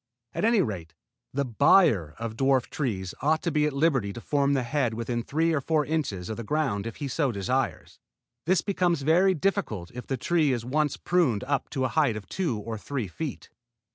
At any rate the buyer of dwarf trees ought to be at liberty to form the head within three or four inches of the ground if he so desires. This becomes very difficult if the tree is once pruned up to a height of two or three feet.